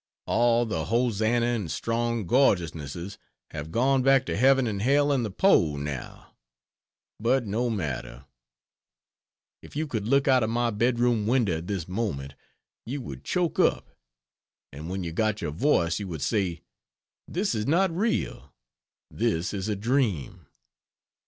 All the hosannahing strong gorgeousnesses have gone back to heaven and hell and the pole, now, but no matter; if you could look out of my bedroom window at this moment, you would choke up; and when you got your voice you would say: This is not real, this is a dream.